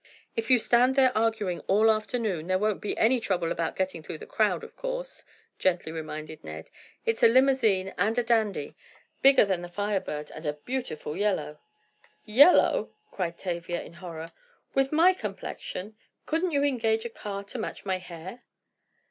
"If you stand there arguing all afternoon, there won't be any trouble about getting through the crowd, of course," gently reminded Ned. "It's a limousine and a dandy! Bigger than the Fire Bird and a beautiful yellow!" "Yellow!" cried Tavia in horror. "With my complexion! Couldn't you engage a car to match my hair?"